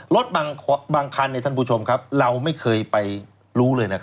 รถบางคันเราไม่เคยไปรู้เลย